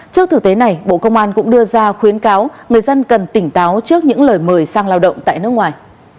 trước thực tế này bộ công an cũng đưa ra khuyến cáo người dân cần tỉnh táo trước những lời mời sang lao động tại nước ngoài